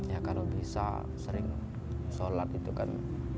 ya kalau bisa sering sholat itu kan